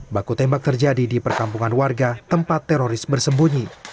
baku tembak terjadi di perkampungan warga tempat teroris bersembunyi